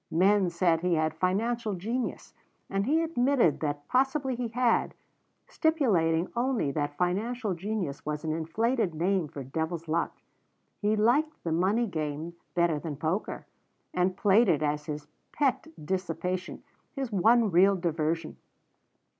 Men said he had financial genius, and he admitted that possibly he had, stipulating only that financial genius was an inflated name for devil's luck. He liked the money game better than poker, and played it as his pet dissipation, his one real diversion.